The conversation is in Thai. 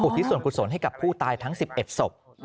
ที่ส่วนกุศลให้กับผู้ตายทั้ง๑๑ศพ